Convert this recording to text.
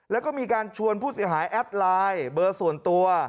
แล้วก็มีการชวนผู้เสียหายแอดไลน์เบอร์ส่วนตัว